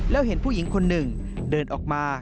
แล้วเห็นผู้หญิงคนหนึ่งเดินออกมา